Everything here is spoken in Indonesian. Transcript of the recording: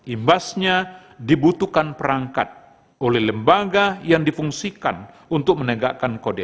imbasnya dibutuhkan perangkat oleh lembaga yang difungsikan untuk menegakkan kode etik